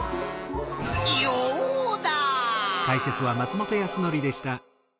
ヨウダ！